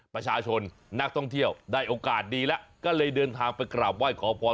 ประชาชนนักท่องเที่ยวได้โอกาสดีแล้วก็เลยเดินทางไปกราบไหว้ขอพร